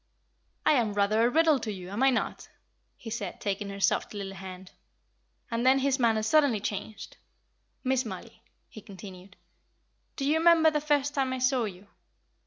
"I am rather a riddle to you, am I not?" he said, taking her soft little hand. And then his manner suddenly changed. "Miss Mollie," he continued, "do you remember the first time I saw you?